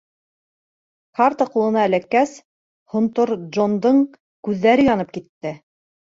Карта ҡулына эләккәс, Һонтор Джондың күҙҙәре янып китте.